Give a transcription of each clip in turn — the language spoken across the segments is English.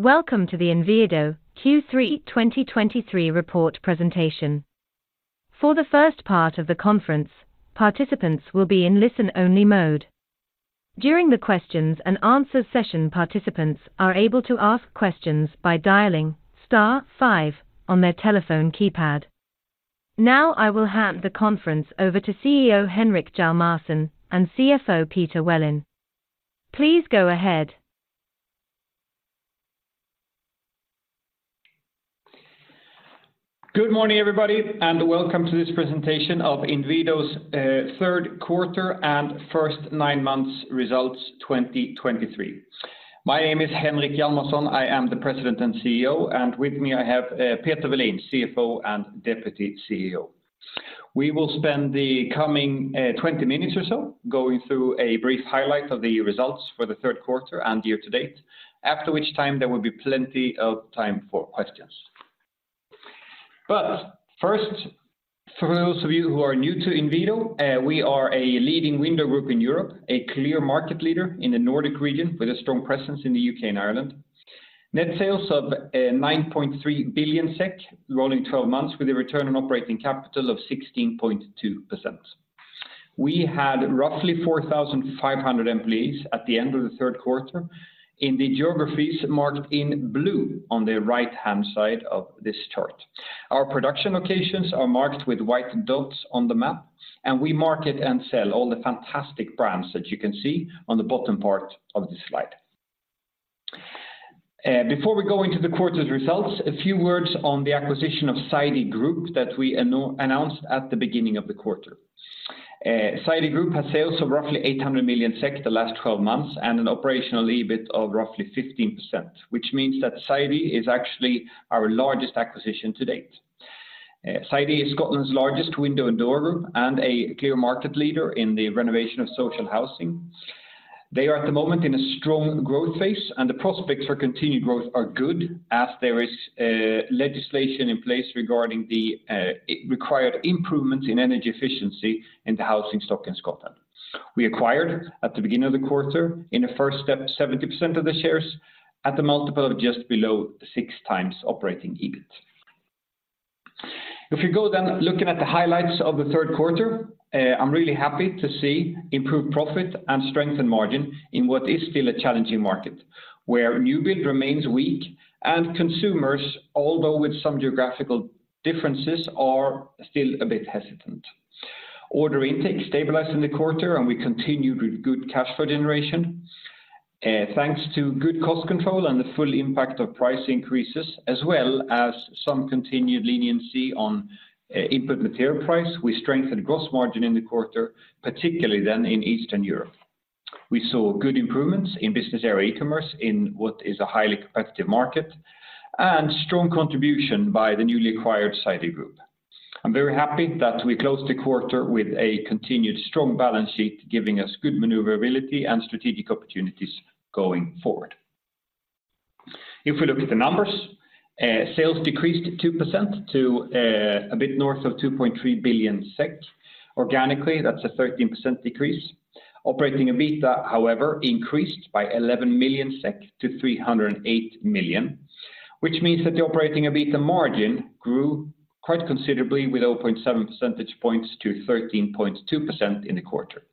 Welcome to the Inwido Q3 2023 report presentation. For the first part of the conference, participants will be in listen-only mode. During the questions and answer session, participants are able to ask questions by dialing star five on their telephone keypad. Now, I will hand the conference over to CEO Henrik Hjalmarsson and CFO Peter Welin. Please go ahead. Good morning, everybody, and welcome to this presentation of Inwido's third quarter and first nine months results, 2023. My name is Henrik Hjalmarsson. I am the President and CEO, and with me, I have Peter Welin, CFO and Deputy CEO. We will spend the coming 20 minutes or so going through a brief highlight of the results for the third quarter and year to date, after which time there will be plenty of time for questions. But first, for those of you who are new to Inwido, we are a leading window group in Europe, a clear market leader in the Nordic region with a strong presence in the U.K. and Ireland. Net sales of 9.3 billion SEK, rolling 12 months with a return on operating capital of 16.2%. We had roughly 4,500 employees at the end of the third quarter in the geographies marked in blue on the right-hand side of this chart. Our production locations are marked with white dots on the map, and we market and sell all the fantastic brands that you can see on the bottom part of this slide. Before we go into the quarter's results, a few words on the acquisition of Sidey Group that we announced at the beginning of the quarter. Sidey Group has sales of roughly 800 million SEK the last 12 months, and an operational EBIT of roughly 15%, which means that Sidey is actually our largest acquisition to date. Sidey is Scotland's largest window and door group and a clear market leader in the renovation of social housing. They are at the moment in a strong growth phase, and the prospects for continued growth are good, as there is legislation in place regarding the required improvements in energy efficiency in the housing stock in Scotland. We acquired, at the beginning of the quarter, in the first step, 70% of the shares at a multiple of just below 6x Operating EBIT. If you go then looking at the highlights of the third quarter, I'm really happy to see improved profit and strengthened margin in what is still a challenging market, where new build remains weak and consumers, although with some geographical differences, are still a bit hesitant. Order intake stabilized in the quarter, and we continued with good cash flow generation. Thanks to good cost control and the full impact of price increases, as well as some continued leniency on input material price, we strengthened gross margin in the quarter, particularly then in Eastern Europe. We saw good improvements in business area e-commerce in what is a highly competitive market, and strong contribution by the newly acquired Sidey Group. I'm very happy that we closed the quarter with a continued strong balance sheet, giving us good maneuverability and strategic opportunities going forward. If we look at the numbers, sales decreased 2% to a bit north of 2.3 billion SEK. Organically, that's a 13% decrease. Operating EBITDA, however, increased by 11 million SEK to 308 million, which means that the operating EBITDA margin grew quite considerably, with 0.7 percentage points to 13.2% in the quarter.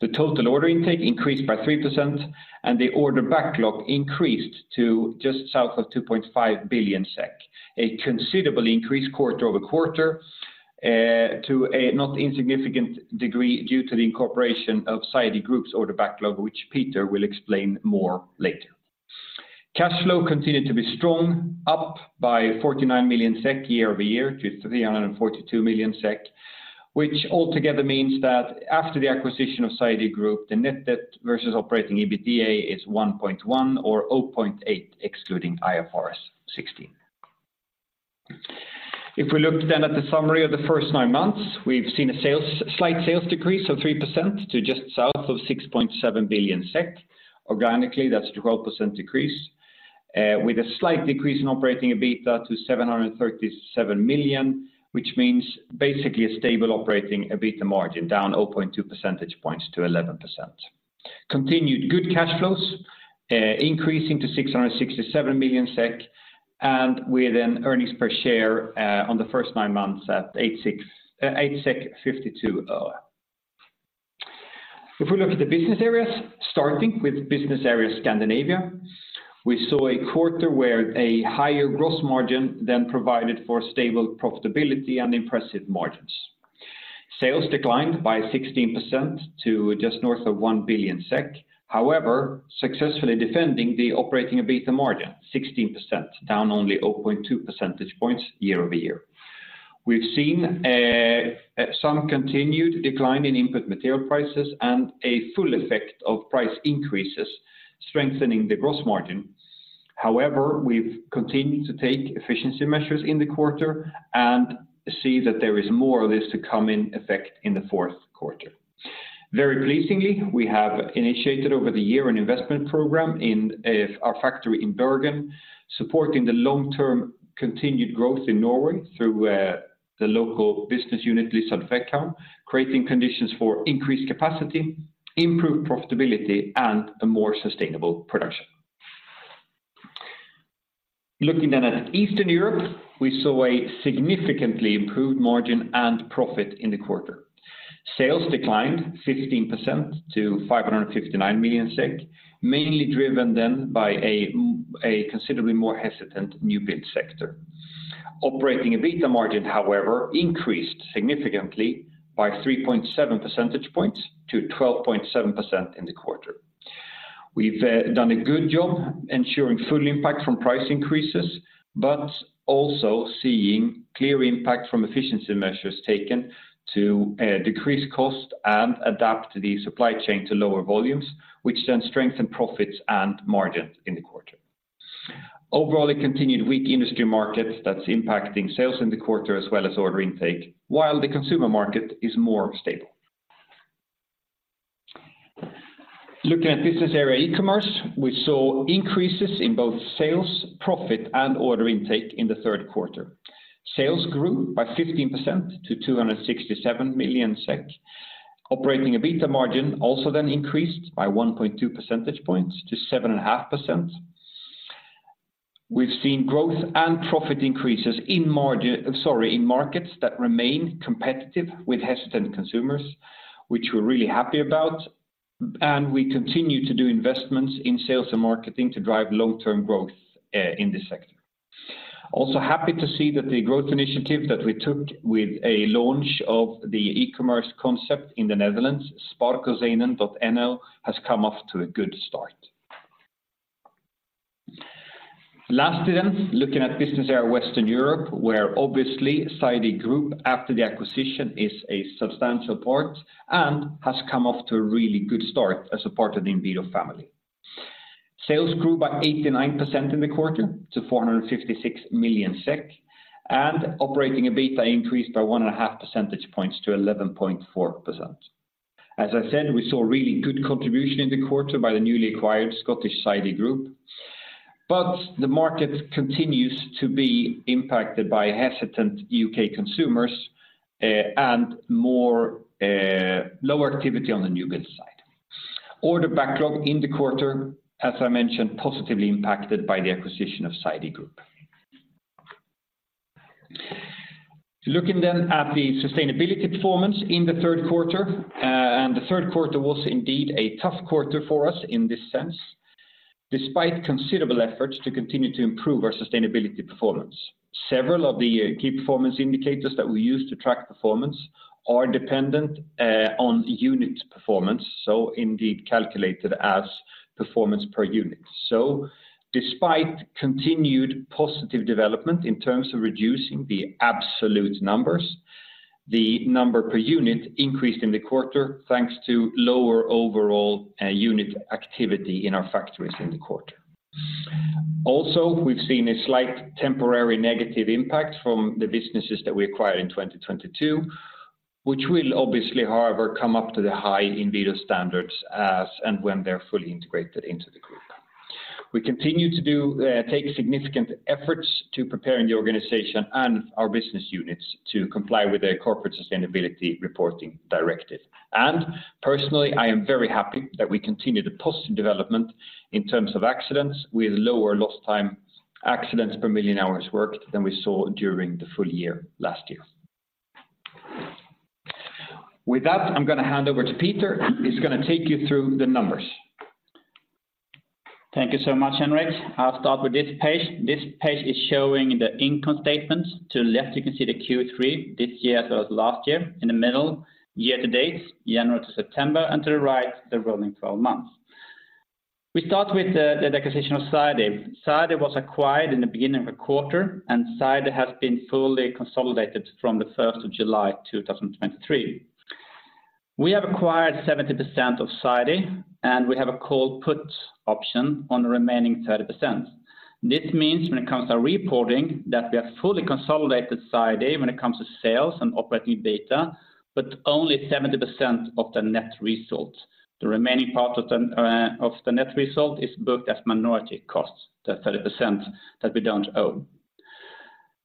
The total order intake increased by 3%, and the order backlog increased to just south of 2.5 billion SEK, a considerably increased quarter-over-quarter, to a not insignificant degree due to the incorporation of Sidey Group's order backlog, which Peter will explain more later. Cash flow continued to be strong, up by 49 million SEK year-over-year to 342 million SEK, which altogether means that after the acquisition of Sidey Group, the net debt versus operating EBITDA is 1.1 or 0.8, excluding IFRS 16. If we look then at the summary of the first nine months, we've seen a slight sales decrease of 3% to just south of 6.7 billion SEK. Organically, that's a 12% decrease, with a slight decrease in operating EBITDA to 737 million, which means basically a stable operating EBITDA margin, down 0.2 percentage points to 11%. Continued good cash flows, increasing to 667 million SEK, and with an earnings per share on the first nine months at 8.52 SEK. If we look at the business areas, starting with business area Scandinavia, we saw a quarter where a higher gross margin then provided for stable profitability and impressive margins. Sales declined by 16% to just north of 1 billion SEK, however, successfully defending the operating EBITDA margin, 16%, down only 0.2 percentage points year-over-year. We've seen some continued decline in input material prices and a full effect of price increases, strengthening the gross margin. However, we've continued to take efficiency measures in the quarter and see that there is more of this to come in effect in the fourth quarter. Very pleasingly, we have initiated over the year an investment program in our factory in Bergen, supporting the long-term continued growth in Norway through the local business unit, Lyssand-Frekhaug, creating conditions for increased capacity, improved profitability, and a more sustainable production. Looking then at Eastern Europe, we saw a significantly improved margin and profit in the quarter. Sales declined 15% to 559 million SEK, mainly driven then by a considerably more hesitant new build sector. Operating EBITDA margin, however, increased significantly by 3.7 percentage points to 12.7% in the quarter. We've done a good job ensuring full impact from price increases, but also seeing clear impact from efficiency measures taken to decrease cost and adapt the supply chain to lower volumes, which then strengthen profits and margins in the quarter. Overall, a continued weak industry market that's impacting sales in the quarter as well as order intake, while the consumer market is more stable. Looking at business area e-commerce, we saw increases in both sales, profit, and order intake in the third quarter. Sales grew by 15% to 267 million SEK. Operating EBITDA margin also then increased by 1.2 percentage points to 7.5%. We've seen growth and profit increases in markets that remain competitive with hesitant consumers, which we're really happy about, and we continue to do investments in sales and marketing to drive long-term growth in this sector. Also happy to see that the growth initiative that we took with a launch of the e-commerce concept in the Netherlands, Sparkozijnen.nl, has come off to a good start. Lastly, looking at business area Western Europe, where obviously, Sidey Group, after the acquisition, is a substantial part and has come off to a really good start as a part of the Inwido family. Sales grew by 89% in the quarter to 456 million SEK, and operating EBITDA increased by 1.5 percentage points to 11.4%. As I said, we saw really good contribution in the quarter by the newly acquired Scottish Sidey Group, but the market continues to be impacted by hesitant U.K. consumers, and more lower activity on the new build side. Order backlog in the quarter, as I mentioned, positively impacted by the acquisition of Sidey Group. Looking then at the sustainability performance in the third quarter, and the third quarter was indeed a tough quarter for us in this sense, despite considerable efforts to continue to improve our sustainability performance. Several of the key performance indicators that we use to track performance are dependent, on unit performance, so indeed calculated as performance per unit. So despite continued positive development in terms of reducing the absolute numbers, the number per unit increased in the quarter, thanks to lower overall, unit activity in our factories in the quarter. Also, we've seen a slight temporary negative impact from the businesses that we acquired in 2022, which will obviously, however, come up to the high Inwido standards as and when they're fully integrated into the group. We continue to do, take significant efforts to preparing the organization and our business units to comply with the Corporate Sustainability Reporting Directive. And personally, I am very happy that we continue the positive development in terms of accidents, with lower lost time accidents per million hours worked than we saw during the full year last year. With that, I'm going to hand over to Peter, who is going to take you through the numbers. Thank you so much, Henrik. I'll start with this page. This page is showing the income statements. To the left, you can see the Q3 this year, as well as last year, in the middle, year to date, January to September, and to the right, the rolling twelve months. We start with the acquisition of Sidey. Sidey was acquired in the beginning of a quarter, and Sidey has been fully consolidated from the first of July 2023. We have acquired 70% of Sidey, and we have a call/put option on the remaining 30%. This means, when it comes to reporting, that we have fully consolidated Sidey when it comes to sales and operating data, but only 70% of the net results. The remaining part of the net result is booked as minority costs, the 30% that we don't own.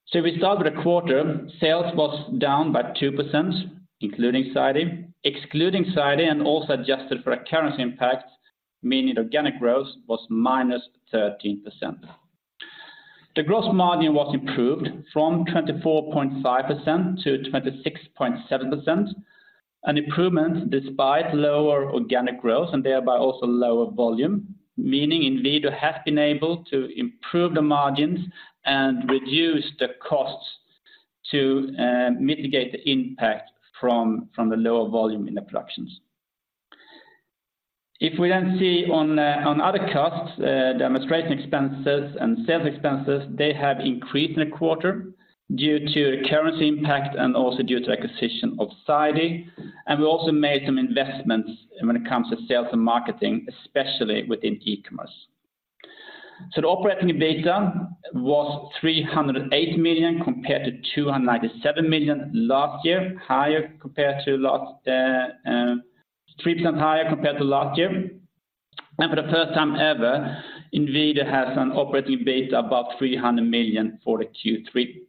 So we start with the quarter. Sales was down by 2%, including Sidey. Excluding Sidey and also adjusted for a currency impact, meaning organic growth was -13%. The gross margin was improved from 24.5% - 26.7%, an improvement despite lower organic growth and thereby also lower volume, meaning Inwido has been able to improve the margins and reduce the costs to mitigate the impact from the lower volume in the productions. If we then see on other costs, administration expenses and sales expenses, they have increased in the quarter due to currency impact and also due to acquisition of Sidey. And we also made some investments when it comes to sales and marketing, especially within e-commerce. The operating EBITDA was 308 million, compared to 297 million last year, higher compared to last, three percent higher compared to last year. For the first time ever, Inwido has an operating EBITDA above 300 million for the Q3.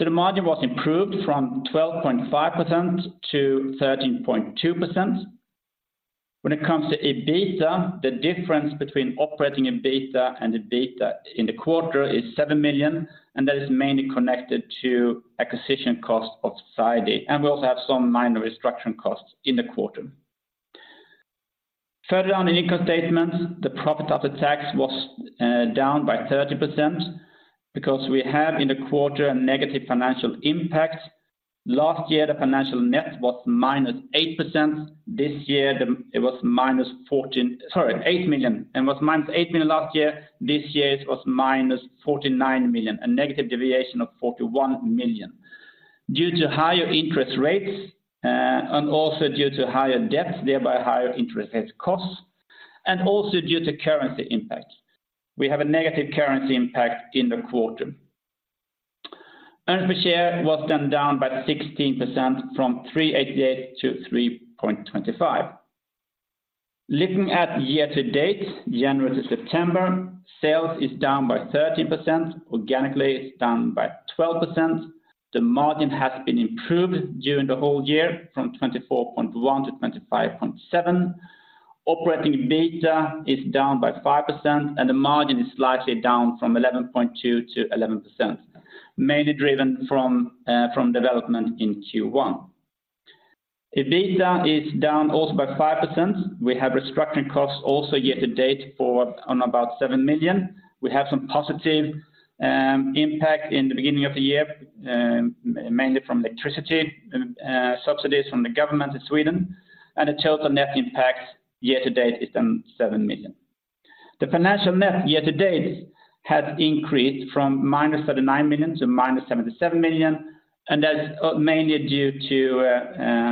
The margin was improved from 12.5% to 13.2%. When it comes to EBITDA, the difference between operating EBITDA and EBITDA in the quarter is 7 million, and that is mainly connected to acquisition costs of Sidey Group. We also have some minor restructuring costs in the quarter. Further on in income statements, the profit after tax was down by 30% because we have in the quarter a negative financial impact. Last year, the financial net was -8%. This year, it was -8 million, and was -8 million last year. This year, it was -49 million, a negative deviation of 41 million. Due to higher interest rates and also due to higher debt, thereby higher interest rate costs, and also due to currency impact. We have a negative currency impact in the quarter. Earnings per share was then down by 16% from 3.88 - 3.25. Looking at year to date, January to September, sales is down by 13%, organically it's down by 12%. The margin has been improved during the whole year from 24.1% - 25.7%. Operating EBITDA is down by 5%, and the margin is slightly down from 11.2% - 11%, mainly driven from development in Q1. EBITDA is down also by 5%. We have restructuring costs also year to date for about 7 million. We have some positive impact in the beginning of the year, mainly from electricity subsidies from the government of Sweden, and the total net impact year to date is 7 million. The financial net year to date has increased from -39 million to -77 million, and that's mainly due to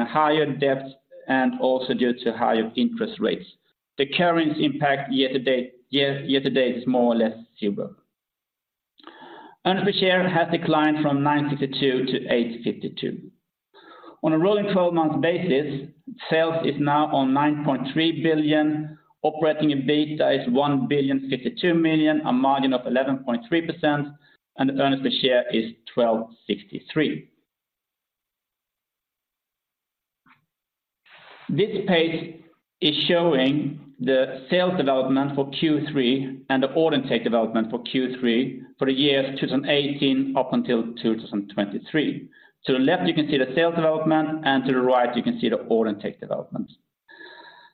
higher debt and also due to higher interest rates. The current impact year to date is more or less zero. Earnings per share has declined from 9.52 to 8.52. On a rolling twelve-month basis, sales is now 9.3 billion. Operating EBITDA is 1,052 million, a margin of 11.3%, and the earnings per share is 12.63. This page is showing the sales development for Q3 and the order intake development for Q3 for the year 2018 up until 2023. To the left, you can see the sales development, and to the right, you can see the order intake development.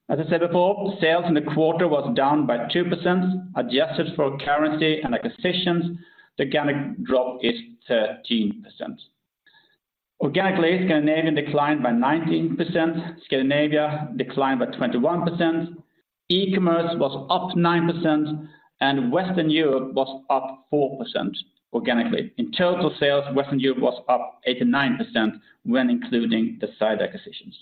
As I said before, sales in the quarter was down by 2%. Adjusted for currency and acquisitions, the organic drop is 13%. Organically, Scandinavia declined by 19%, Scandinavia declined by 21%, e-commerce was up 9%, and Western Europe was up 4% organically. In total sales, Western Europe was up 8%-9% when including the Sidey acquisitions.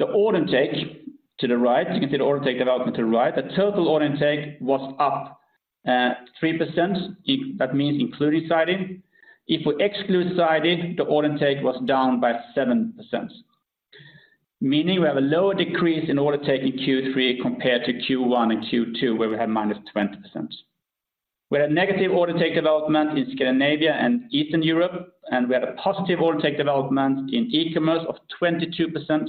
The order intake to the right, you can see the order intake development to the right. The total order intake was up 3%. That means including Sidey. If we exclude Sidey, the order intake was down by 7%, meaning we have a lower decrease in order taking Q3 compared to Q1 and Q2, where we had -20%. We had a negative order take development in Scandinavia and Eastern Europe, and we had a positive order take development in e-commerce of 22%,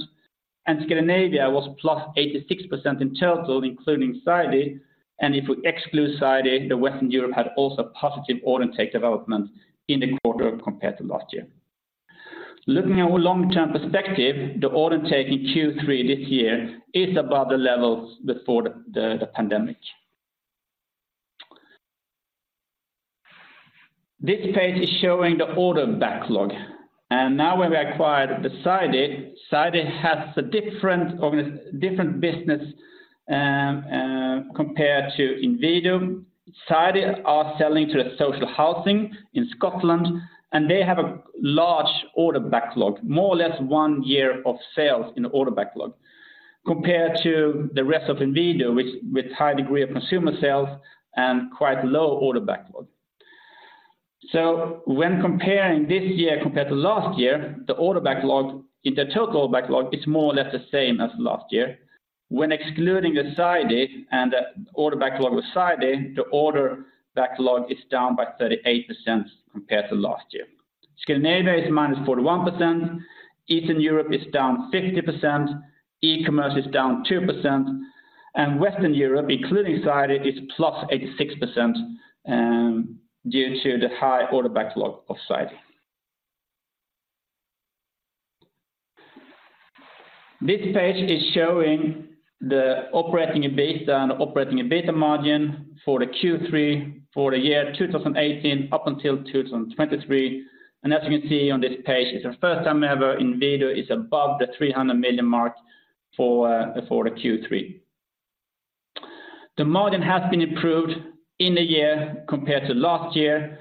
and Scandinavia was +86% in total, including Sidey. If we exclude Sidey, the Western Europe had also positive order take development in the quarter compared to last year. Looking at our long-term perspective, the order take in Q3 this year is above the levels before the pandemic. This page is showing the order backlog, and now when we acquired the Sidey, Sidey has a different business compared to Inwido. Sidey is selling to the social housing in Scotland, and they have a large order backlog, more or less one year of sales in the order backlog, compared to the rest of Inwido, which with high degree of consumer sales and quite low order backlog. So when comparing this year compared to last year, the order backlog, in the total backlog, is more or less the same as last year. When excluding the Sidey and the order backlog with Sidey, the order backlog is down by 38% compared to last year. Scandinavia is -41%, Eastern Europe is down 50%, e-commerce is down 2%, and Western Europe, including Sidey, is +86%, due to the high order backlog of Sidey. This page is showing the operating EBITDA and operating EBITDA margin for the Q3 for the year 2018 up until 2023. As you can see on this page, it's the first time ever Inwido is above the 300 million mark for the Q3. The margin has been improved in the year compared to last year.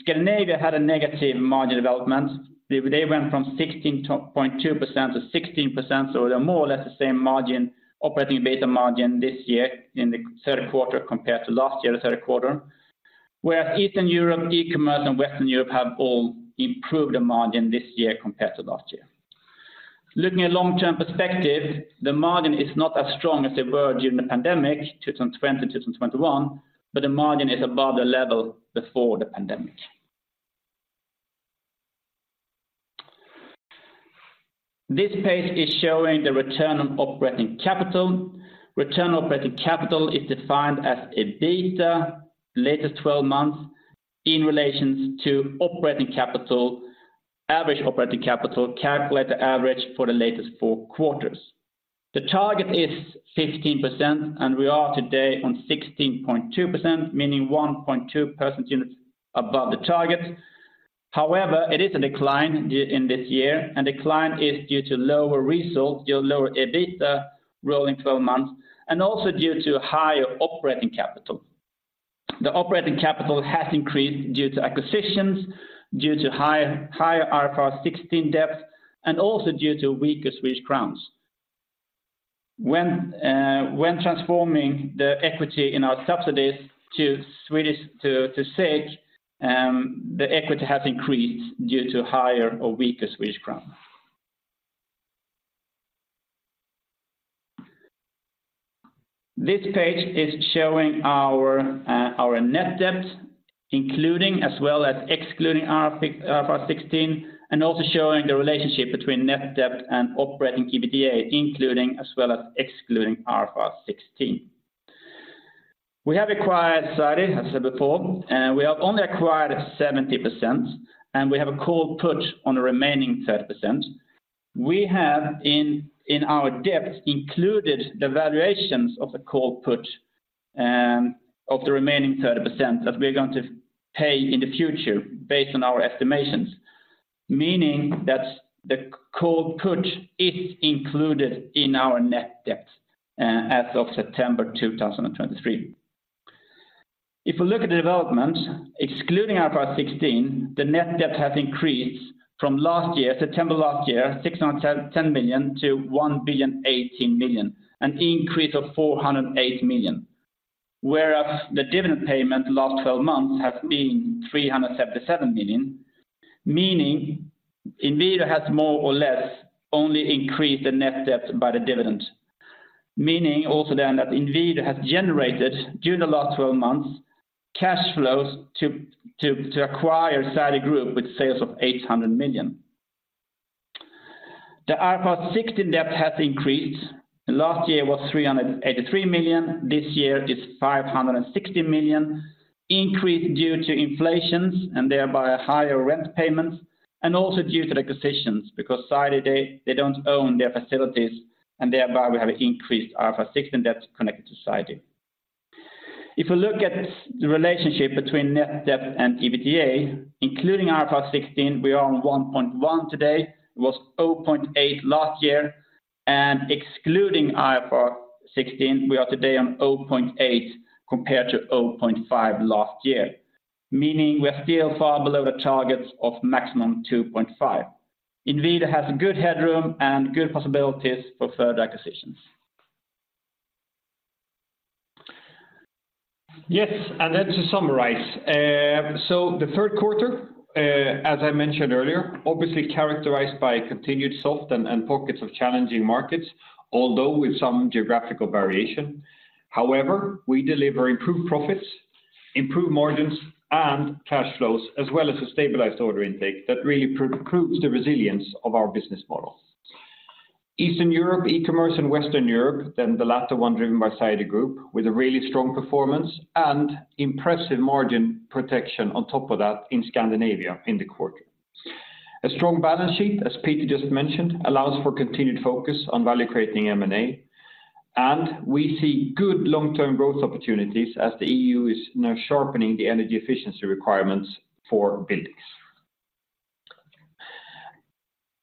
Scandinavia had a negative margin development. They went from 16.2% - 16%, so they're more or less the same margin, operating EBITDA margin this year in the third quarter compared to last year, the third quarter. Whereas Eastern Europe, e-commerce, and Western Europe have all improved the margin this year compared to last year. Looking at long-term perspective, the margin is not as strong as they were during the pandemic, 2020 to 2021, but the margin is above the level before the pandemic. This page is showing the Return on Operating Capital. Return on Operating Capital is defined as EBIT, latest twelve months, in relation to operating capital, average operating capital, calculate the average for the latest four quarters. The target is 15%, and we are today on 16.2%, meaning 1.2 percentage points above the target. However, it is a decline in this year, and decline is due to lower results, our lower EBITDA rolling twelve months, and also due to higher operating capital. The operating capital has increased due to acquisitions, due to higher, higher IFRS 16 debt, and also due to weaker Swedish krona. When transforming the equity in our subsidiaries to Swedish, to SEK, the equity has increased due to higher or weaker Swedish crown. This page is showing our net debt, including as well as excluding our IFRS 16, and also showing the relationship between net debt and operating EBITDA, including as well as excluding IFRS 16. We have acquired Sidey, as said before, and we have only acquired 70%, and we have a call/put on the remaining 30%. We have in our debt included the valuations of the call/put of the remaining 30% that we're going to pay in the future based on our estimations, meaning that the call/put is included in our net debt as of September 2023. If we look at the development, excluding IFRS 16, the net debt has increased from last year, September last year, 610 million - 1,018 million, an increase of 408 million. Whereas the dividend payment last twelve months has been 377 million, meaning Inwido has more or less only increased the net debt by the dividend. Meaning also then that Inwido has generated, during the last twelve months, cash flows to acquire Sidey Group with sales of 800 million. The IFRS 16 debt has increased. Last year was 383 million, this year is 560 million, increased due to inflation and thereby a higher rent payment, and also due to the acquisitions, because Sidey, they don't own their facilities, and thereby we have increased IFRS 16 debt connected to Sidey. If we look at the relationship between net debt and EBITDA, including IFRS 16, we are on 1.1 today. It was 0.8 last year, and excluding IFRS 16, we are today on 0.8 compared to 0.5 last year, meaning we are still far below the targets of maximum 2.5. Inwido has a good headroom and good possibilities for further acquisitions. Yes, and then to summarize. So the third quarter, as I mentioned earlier, obviously characterized by continued soft and, and pockets of challenging markets, although with some geographical variation. However, we deliver improved profits, improved margins, and cash flows, as well as a stabilized order intake that really proves the resilience of our business model. Eastern Europe, e-commerce, and Western Europe, then the latter one driven by Sidey Group, with a really strong performance and impressive margin protection on top of that in Scandinavia in the quarter. A strong balance sheet, as Peter just mentioned, allows for continued focus on value creating M&A, and we see good long-term growth opportunities as the EU is now sharpening the energy efficiency requirements for buildings.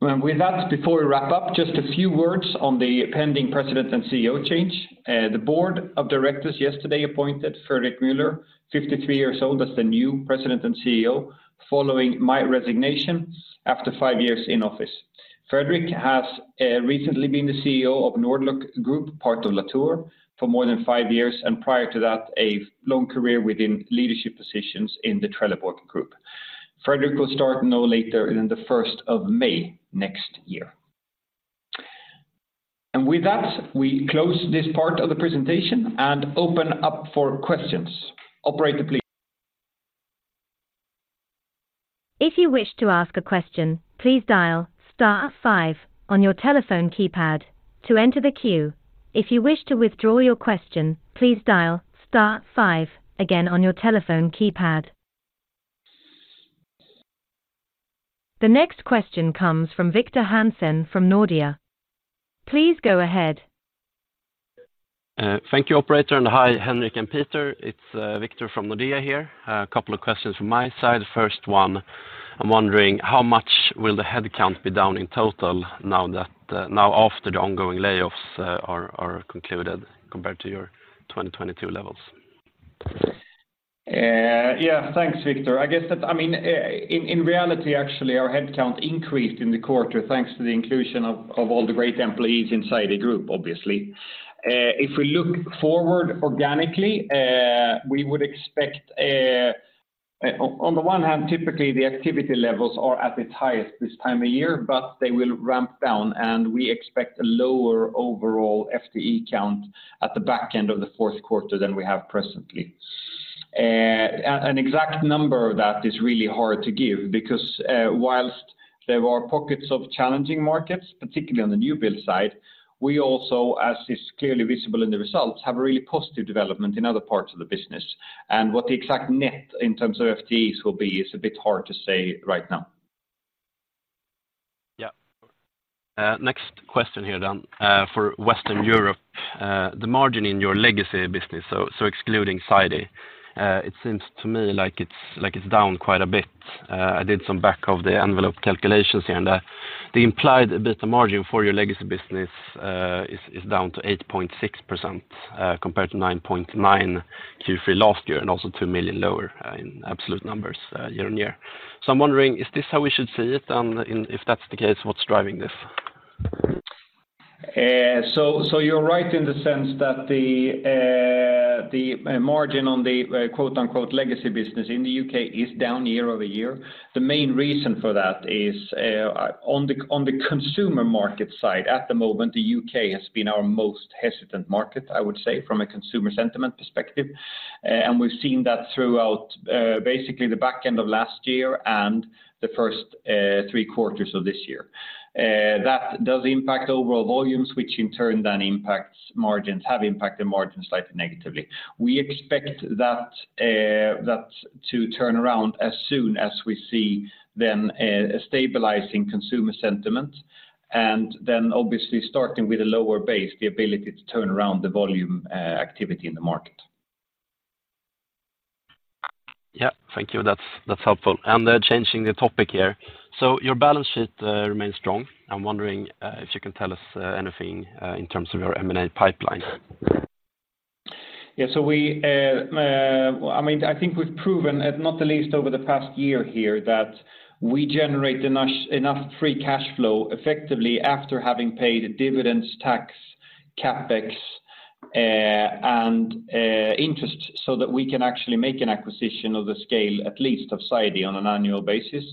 And with that, before we wrap up, just a few words on the pending President and CEO change. The board of directors yesterday appointed Fredrik Meuller, 53 years old, as the new President and CEO, following my resignation after 5 years in office. Fredrik has recently been the CEO of Nord-Lock Group, part of Latour, for more than 5 years, and prior to that, a long career within leadership positions in the Trelleborg Group. Fredrik will start no later than the first of May next year. And with that, we close this part of the presentation and open up for questions. Operator, please. If you wish to ask a question, please dial star five on your telephone keypad to enter the queue. If you wish to withdraw your question, please dial star five again on your telephone keypad. The next question comes from Victor Hansen from Nordea. Please go ahead. Thank you, operator, and hi, Henrik and Peter. It's Victor from Nordea here. A couple of questions from my side. First one, I'm wondering, how much will the head count be down in total now, after the ongoing layoffs are concluded compared to your 2022 levels? Yeah, thanks, Victor. I guess that, I mean, in reality, actually, our head count increased in the quarter, thanks to the inclusion of all the great employees in Sidey Group, obviously. If we look forward organically, we would expect on the one hand, typically, the activity levels are at its highest this time of year, but they will ramp down, and we expect a lower overall FTE count at the back end of the fourth quarter than we have presently. An exact number of that is really hard to give because, whilst there are pockets of challenging markets, particularly on the new build side, we also, as is clearly visible in the results, have a really positive development in other parts of the business. What the exact net in terms of FTEs will be is a bit hard to say right now. Yeah. Next question here then. For Western Europe, the margin in your legacy business, so excluding Sidey, it seems to me like it's down quite a bit. I did some back of the envelope calculations here, and the implied EBITDA margin for your legacy business is down to 8.6%, compared to 9.9% Q3 last year, and also 2 million lower in absolute numbers year-on-year. So I'm wondering, is this how we should see it? And if that's the case, what's driving this? So you're right in the sense that the margin on the quote-unquote, "legacy business" in the U.K. is down year-over-year. The main reason for that is, on the consumer market side, at the moment, the U.K. has been our most hesitant market, I would say, from a consumer sentiment perspective. We’ve seen that throughout basically the back end of last year and the first three quarters of this year. That does impact overall volumes, which in turn then impacts margins—have impacted margins slightly negatively. We expect that to turn around as soon as we see then a stabilizing consumer sentiment, and then obviously starting with a lower base, the ability to turn around the volume activity in the market. Yeah. Thank you. That's helpful. And changing the topic here. So your balance sheet remains strong. I'm wondering if you can tell us anything in terms of your M&A pipeline? Yeah, so we, I mean, I think we've proven, at not the least over the past year here, that we generate enough free cash flow effectively after having paid dividends, tax, CapEx, and interest, so that we can actually make an acquisition of the scale, at least of Sidey, on an annual basis,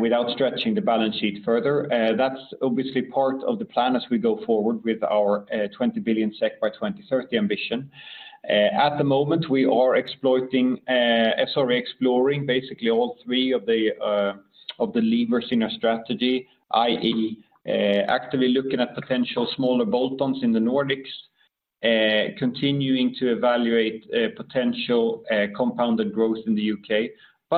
without stretching the balance sheet further. That's obviously part of the plan as we go forward with our 20 billion SEK by 2030 ambition. At the moment, we are exploiting, sorry, exploring basically all three of the levers in our strategy, i.e., actively looking at potential smaller bolt-ons in the Nordics, continuing to evaluate potential compounded growth in the U.K.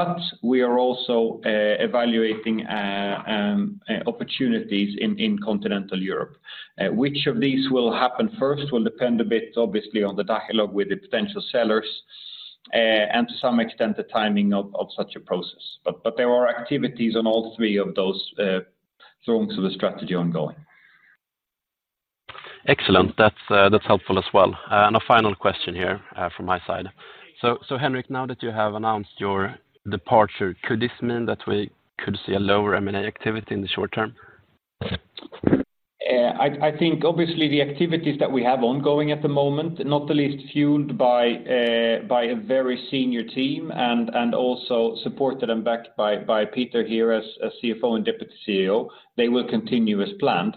But we are also evaluating opportunities in continental Europe. Which of these will happen first will depend a bit, obviously, on the dialogue with the potential sellers, and to some extent, the timing of such a process. But there are activities on all three of those forms of the strategy ongoing. Excellent. That's, that's helpful as well. And a final question here, from my side. So, so, Henrik, now that you have announced your departure, could this mean that we could see a lower M&A activity in the short term? I think obviously the activities that we have ongoing at the moment, not the least, fueled by a very senior team and also supported and backed by Peter here as CFO and Deputy CEO, they will continue as planned.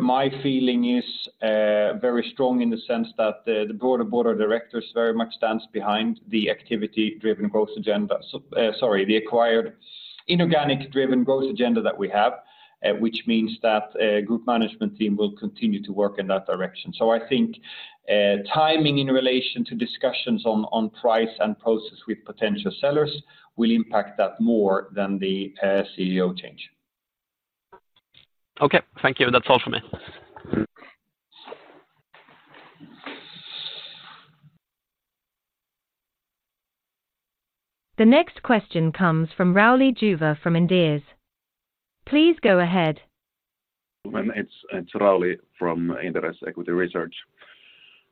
My feeling is very strong in the sense that the broader board of directors very much stands behind the activity-driven growth agenda. Sorry, the acquired inorganic driven growth agenda that we have, which means that a group management team will continue to work in that direction. I think timing in relation to discussions on price and process with potential sellers will impact that more than the CEO change. Okay, thank you. That's all for me. The next question comes from Rauli Juva from Inderes. Please go ahead. It's Rauli from Inderes Equity Research.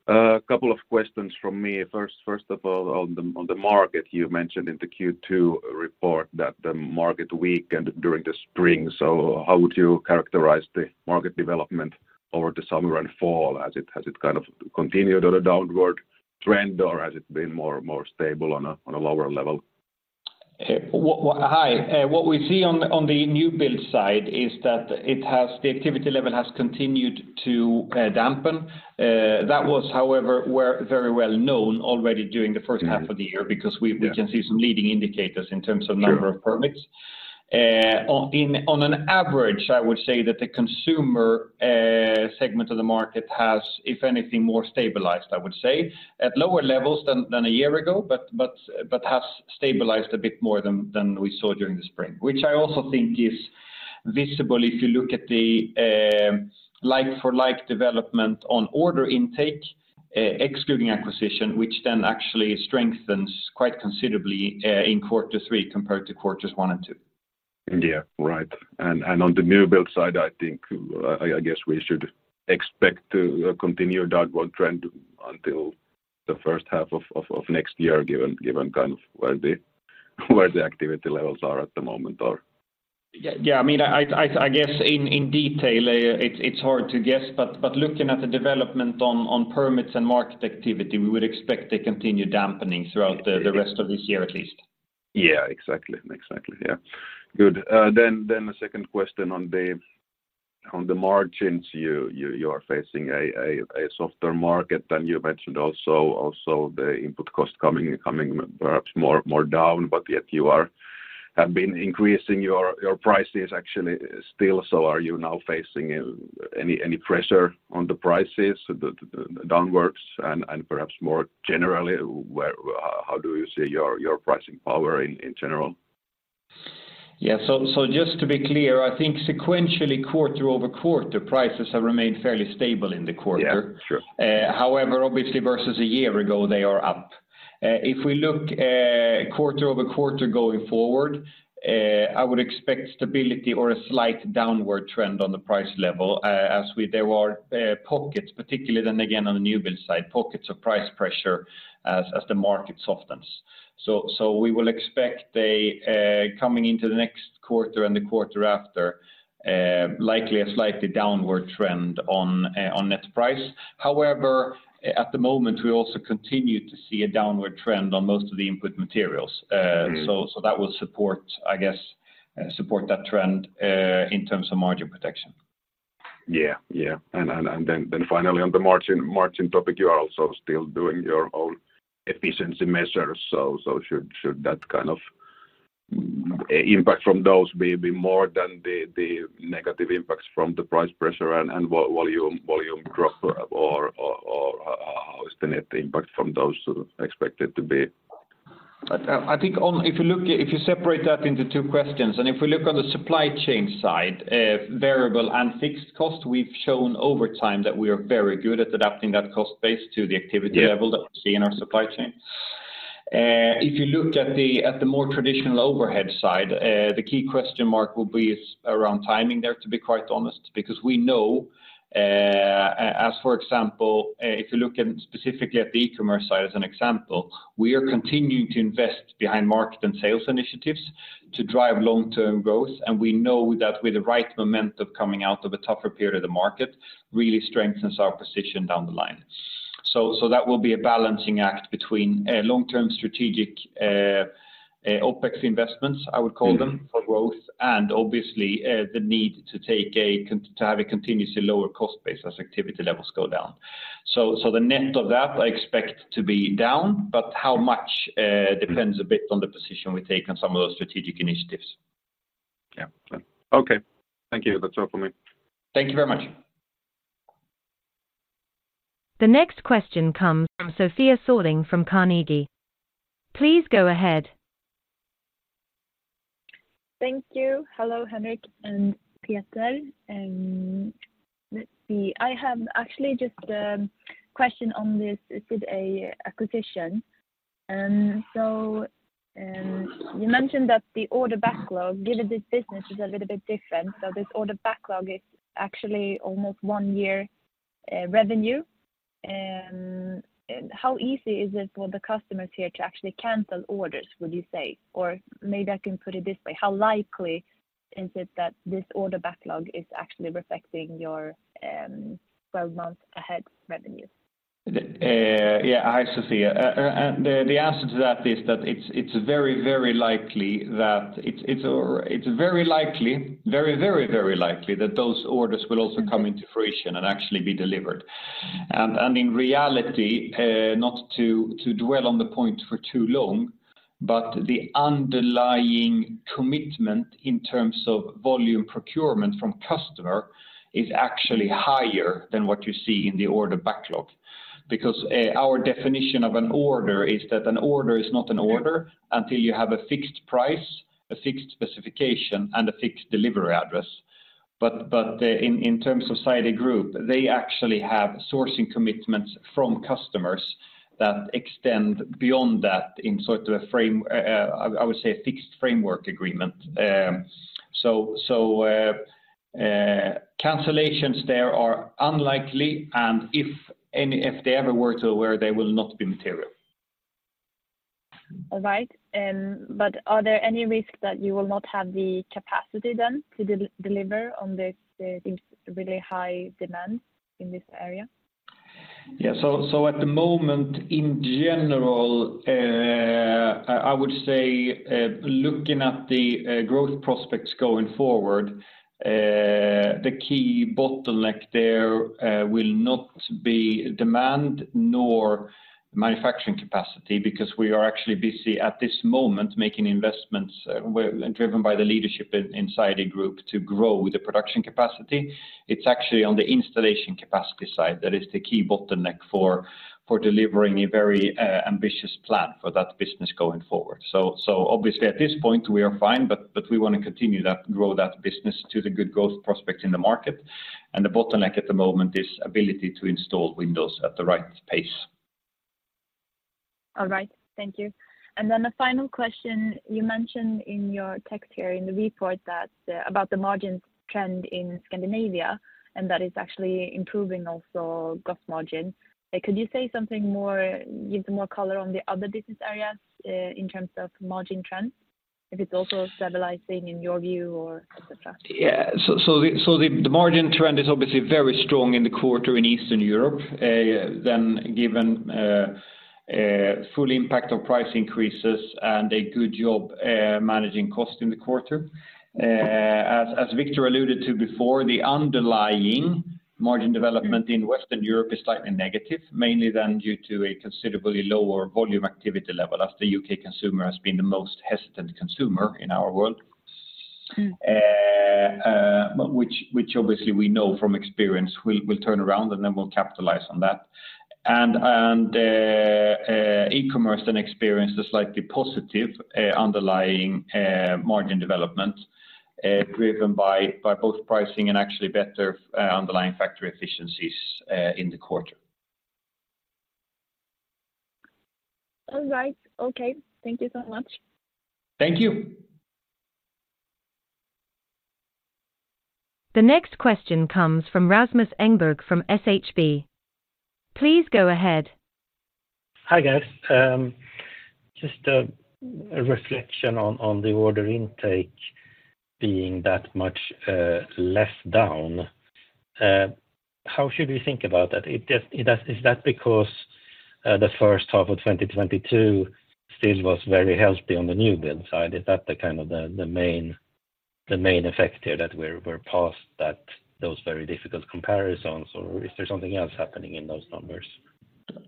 A couple of questions from me. First of all, on the market, you mentioned in the Q2 report that the market weakened during the spring. So how would you characterize the market development over the summer and fall? Has it kind of continued on a downward trend, or has it been more stable on a lower level? What we see on the new build side is that it has—the activity level has continued to dampen. That was, however, were very well known already during the first half of the year. Yeah... because we can see some leading indicators in terms of- Sure... number of permits. On average, I would say that the consumer segment of the market has, if anything, more stabilized, I would say. At lower levels than a year ago, but has stabilized a bit more than we saw during the spring, which I also think is visible if you look at the like-for-like development on order intake, excluding acquisition, which then actually strengthens quite considerably, in quarter three compared to quarters one and two. Yeah, right. And on the new build side, I think I guess we should expect to continue downward trend until the first half of next year, given kind of where the activity levels are at the moment or-... Yeah, yeah, I mean, I guess in detail, it's hard to guess, but looking at the development on permits and market activity, we would expect a continued dampening throughout the rest of this year, at least. Yeah, exactly. Exactly, yeah. Good. Then the second question on the margins. You are facing a softer market than you mentioned, also the input cost coming perhaps more down, but yet you have been increasing your prices actually still. So are you now facing any pressure on the prices downwards? And perhaps more generally, how do you see your pricing power in general? Yeah, so, so just to be clear, I think sequentially, quarter-over-quarter, prices have remained fairly stable in the quarter. Yeah, sure. However, obviously, versus a year ago, they are up. If we look quarter-over-quarter going forward, I would expect stability or a slight downward trend on the price level, as there are pockets, particularly then again, on the new build side, pockets of price pressure as the market softens. So we will expect, coming into the next quarter and the quarter after, likely a slightly downward trend on net price. However, at the moment, we also continue to see a downward trend on most of the input materials. Mm-hmm. So, so that will support, I guess, support that trend in terms of margin protection. Yeah, yeah. And then finally, on the margin topic, you are also still doing your own efficiency measures, so should that kind of impact from those be more than the negative impacts from the price pressure and volume growth, or how is the net impact from those expected to be? I think, on—if you look at, if you separate that into two questions, and if we look on the supply chain side, variable and fixed cost, we've shown over time that we are very good at adapting that cost base to the activity- Yeah -level that we see in our supply chain. If you looked at the more traditional overhead side, the key question mark will be is around timing there, to be quite honest, because we know, as for example, if you look at specifically at the e-commerce side as an example, we are continuing to invest behind market and sales initiatives to drive long-term growth, and we know that with the right momentum coming out of a tougher period of the market, really strengthens our position down the line. So that will be a balancing act between a long-term strategic OpEx investments, I would call them- Mm-hmm ...for growth, and obviously, the need to have a continuously lower cost base as activity levels go down. So the net of that, I expect to be down, but how much- Mm Depends a bit on the position we take on some of those strategic initiatives. Yeah. Okay. Thank you. That's all for me. Thank you very much. The next question comes from Sofia Sörling from Carnegie. Please go ahead. Thank you. Hello, Henrik and Peter. Let's see. I have actually just a question on this, with an acquisition. You mentioned that the order backlog, given this business is a little bit different, this order backlog is actually almost 1 year revenue. How easy is it for the customers here to actually cancel orders, would you say? Or maybe I can put it this way: How likely is it that this order backlog is actually reflecting your 12 months ahead revenue? Yeah. Hi, Sofia. The answer to that is that it's very likely that those orders will also come into fruition and actually be delivered. In reality, not to dwell on the point for too long, but the underlying commitment in terms of volume procurement from customer is actually higher than what you see in the order backlog. Because our definition of an order is that an order is not an order- Mm Until you have a fixed price, a fixed specification, and a fixed delivery address. But in terms of Sidey Group, they actually have sourcing commitments from customers that extend beyond that in sort of a frame, I would say, a fixed framework agreement. So cancellations there are unlikely, and if any—if they ever were to occur, they will not be material. All right. But are there any risks that you will not have the capacity then to deliver on this really high demand in this area? Yeah, so, so at the moment, in general, I, I would say, looking at the growth prospects going forward, the key bottleneck there will not be demand nor manufacturing capacity, because we are actually busy at this moment, making investments and driven by the leadership in Sidey Group to grow the production capacity. It's actually on the installation capacity side that is the key bottleneck for delivering a very ambitious plan for that business going forward. So, so obviously, at this point, we are fine, but, but we want to continue that, grow that business to the good growth prospects in the market. And the bottleneck at the moment is ability to install windows at the right pace. All right. Thank you. And then the final question, you mentioned in your text here in the report that, about the margin trend in Scandinavia, and that is actually improving also gross margin. Could you say something more, give more color on the other business areas, in terms of margin trends?... if it's also stabilizing in your view or et cetera? Yeah. So the margin trend is obviously very strong in the quarter in Eastern Europe. Then, given full impact of price increases and a good job managing cost in the quarter. As Victor alluded to before, the underlying margin development in Western Europe is slightly negative, mainly due to a considerably lower volume activity level, as the U.K. consumer has been the most hesitant consumer in our world. Which obviously we know from experience will turn around, and then we'll capitalize on that. And e-commerce then experienced a slightly positive underlying margin development, driven by both pricing and actually better underlying factory efficiencies in the quarter. All right. Okay, thank you so much. Thank you. The next question comes from Rasmus Engberg from SHB. Please go ahead. Hi, guys. Just a reflection on the order intake being that much less down. How should we think about that? Is that because the first half of 2022 still was very healthy on the new build side? Is that the kind of the main effect here, that we're past those very difficult comparisons, or is there something else happening in those numbers?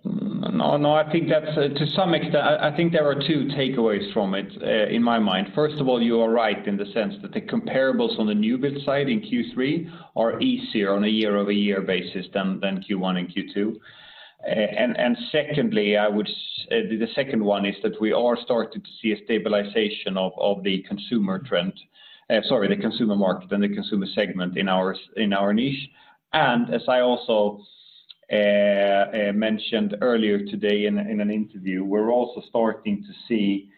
No, no, I think that's. To some extent, I think there are two takeaways from it, in my mind. First of all, you are right in the sense that the comparables on the new build side in Q3 are easier on a year-over-year basis than Q1 and Q2. And secondly, the second one is that we are starting to see a stabilization of the consumer trend, sorry, the consumer market and the consumer segment in our niche. And as I also mentioned earlier today in an interview, we're also starting to see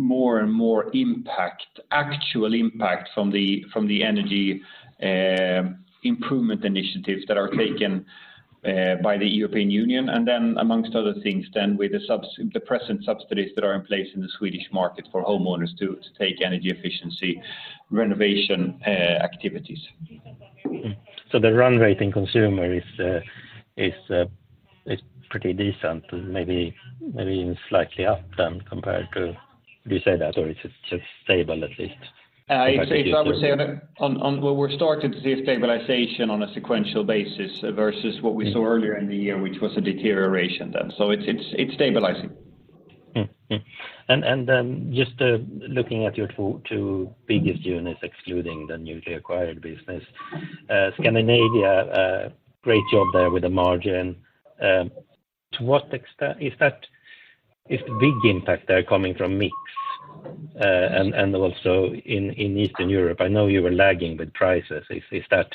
more and more impact, actual impact from the energy improvement initiatives that are taken by the European Union, and then amongst other things, with the present subsidies that are in place in the Swedish market for homeowners to take energy efficiency renovation activities. So the run rate in consumer is pretty decent, and maybe, maybe even slightly up then compared to... Would you say that, or it's just, just stable, at least? Well, we're starting to see a stabilization on a sequential basis versus what we saw earlier in the year, which was a deterioration then. So it's stabilizing. And then just looking at your two biggest units, excluding the newly acquired business, Scandinavia, great job there with the margin. To what extent is the big impact there coming from mix, and also in Eastern Europe? I know you were lagging with prices. Is that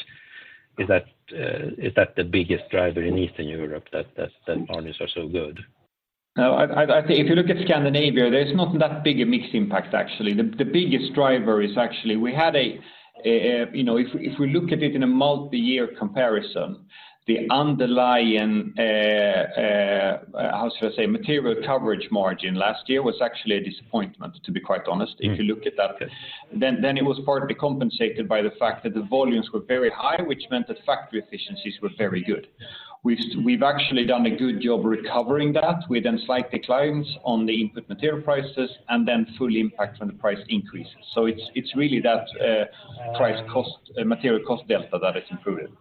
the biggest driver in Eastern Europe, that margins are so good? No, I think if you look at Scandinavia, there's not that big a mix impact, actually. The biggest driver is actually we had a you know, if we look at it in a multi-year comparison, the underlying, how should I say? Material coverage margin last year was actually a disappointment, to be quite honest. If you look at that, then it was partly compensated by the fact that the volumes were very high, which meant that factory efficiencies were very good. We've actually done a good job recovering that with then slight declines on the input material prices and then fully impact on the price increases. So it's really that, price cost, material cost delta that has improved.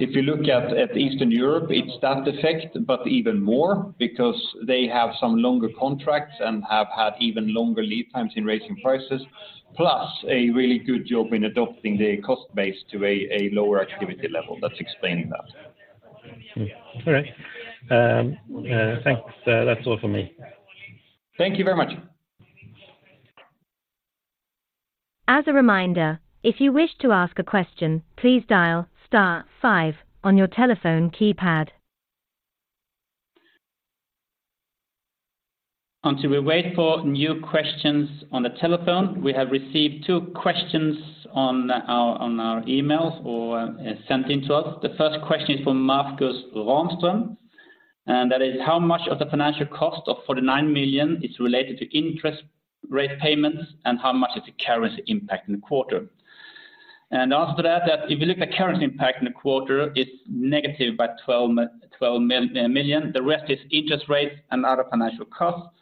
If you look at Eastern Europe, it's that effect, but even more because they have some longer contracts and have had even longer lead times in raising prices, plus a really good job in adopting the cost base to a lower activity level. That's explaining that. All right. Thanks. That's all for me. Thank you very much. As a reminder, if you wish to ask a question, please dial star five on your telephone keypad. Until we wait for new questions on the telephone, we have received two questions on our, on our emails or sent in to us. The first question is from Marcus Ramström, and that is: How much of the financial cost of 49 million is related to interest rate payments, and how much is the currency impact in the quarter? And the answer to that, that if you look at currency impact in the quarter, it's negative by 12 million. The rest is interest rates and other financial costs.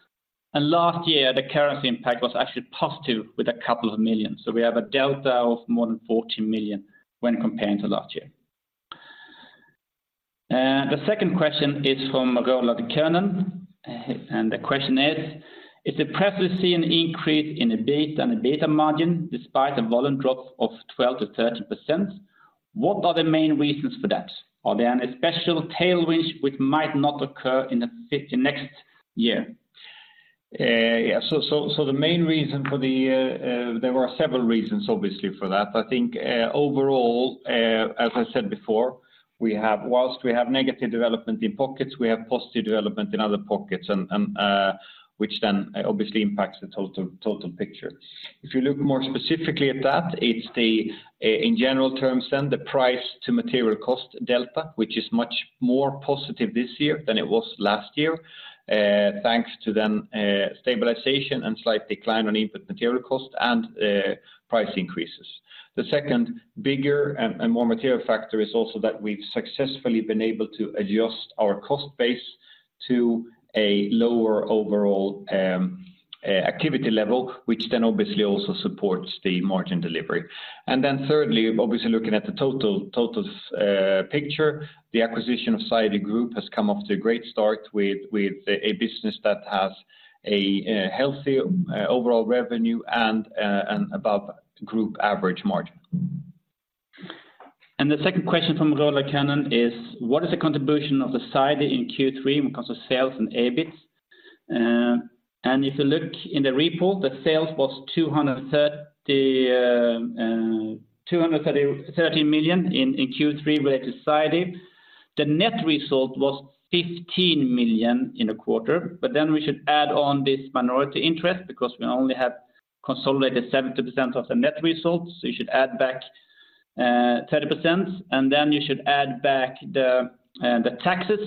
And last year, the currency impact was actually positive with a couple of million. So we have a delta of more than 14 million when comparing to last year. The second question is from Roland Könen, and the question is: If there's an increase in EBITDA and EBITDA margin despite a volume drop of 12%-13%, what are the main reasons for that? Are there any special tailwinds which might not occur in the next year? Yeah. So the main reason for the... There were several reasons, obviously, for that. I think, overall, as I said before, we have, whilst we have negative development in pockets, we have positive development in other pockets and, which then obviously impacts the total picture. If you look more specifically at that, it's, in general terms, the price to material cost delta, which is much more positive this year than it was last year, thanks to then, stabilization and slight decline on input material cost and price increases. The second bigger and more material factor is also that we've successfully been able to adjust our cost base to a lower overall activity level, which then obviously also supports the margin delivery. And then thirdly, obviously, looking at the total picture, the acquisition of Sidey Group has come off to a great start with a business that has a healthy overall revenue and above group average margin. The second question from Roland Könen is: What is the contribution of the Sidey in Q3 in terms of sales and EBIT? And if you look in the report, the sales was 233 million in Q3 related to Sidey. The net result was 15 million in the quarter, but then we should add on this minority interest because we only have consolidated 70% of the net results. So you should add back 30%, and then you should add back the taxes,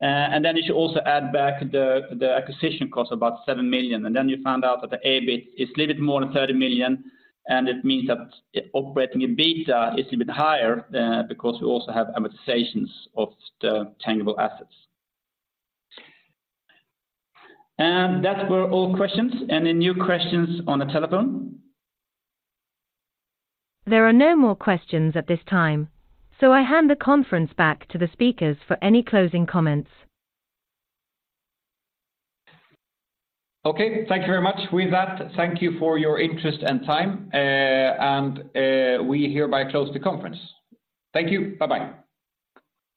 and then you should also add back the acquisition cost, about 7 million. And then you find out that the EBIT is a little bit more than 30 million, and it means that operating EBITDA is a bit higher because we also have amortizations of the tangible assets. That were all questions. Any new questions on the telephone? There are no more questions at this time, so I hand the conference back to the speakers for any closing comments. Okay, thank you very much. With that, thank you for your interest and time, we hereby close the conference. Thank you. Bye-bye!